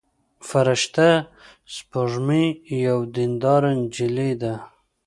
فرشته سپوږمۍ یوه دينداره نجلۍ ده.